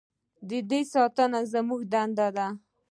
د دې ساتنه زموږ دنده ده؟